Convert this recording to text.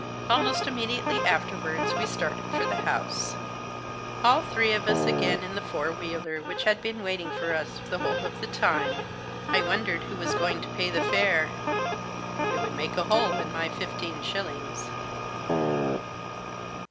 Almost immediately afterwards we started for the house ; all three of us again in the four wheeler which had been waiting for us the whole of the time. I wondered who was going to pay the fare. It would make a hole in my fifteen shillings.